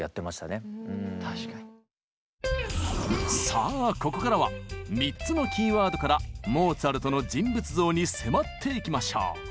さあここからは３つのキーワードからモーツァルトの人物像に迫っていきましょう！